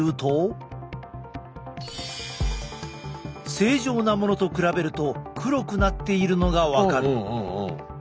正常なものと比べると黒くなっているのが分かる。